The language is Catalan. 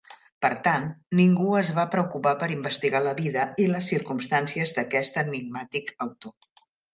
Per tant, ningú es va preocupar per investigar la vida i les circumstàncies d'aquest enigmàtic autor.